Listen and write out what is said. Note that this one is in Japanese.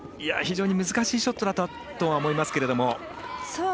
非常に難しいショットだったとは思いますけど。